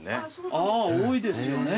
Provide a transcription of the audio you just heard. あぁ多いですよね。